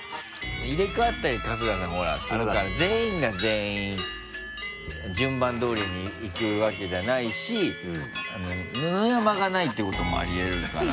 入れ替わったり春日さんほらするから全員が全員順番通りにいくわけじゃないし野々山がないってこともありえるから。